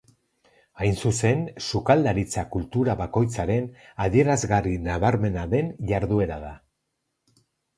Hain zuzen, sukaldaritza kultura bakoitzaren adierazgarri nabarmena den jarduera da.